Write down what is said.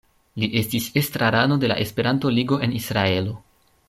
Li estis estrarano de la Esperanto-Ligo en Israelo.